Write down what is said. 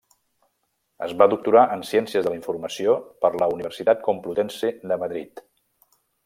Es va doctorar en Ciències de la Informació per la Universitat Complutense de Madrid.